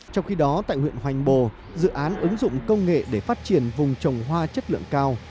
trong khi đó tại huyện hoành bồ dự án ứng dụng công nghệ để phát triển vùng trồng hoa chất lượng cao